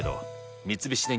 三菱電機